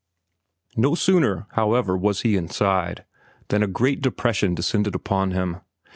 No sooner, however, was he inside than a great depression descended upon him.